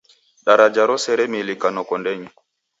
Daraja rose remilika noko ndenyi.